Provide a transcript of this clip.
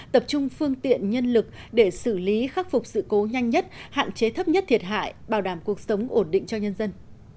tập trung phương tiện nhân lực để xử lý khắc phục sự cố nhanh nhất hạn chế thấp nhất thiệt hại bảo đảm cuộc sống ổn định cho nhân dân